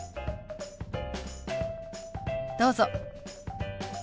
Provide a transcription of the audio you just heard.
どうぞ。